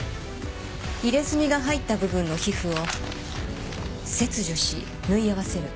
入れ墨が入った部分の皮膚を切除し縫い合わせる。